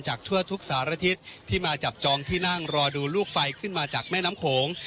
ทั่วทุกสารทิศที่มาจับจองที่นั่งรอดูลูกไฟขึ้นมาจากแม่น้ำโขง